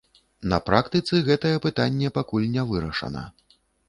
На практыцы гэтае пытанне пакуль не вырашана.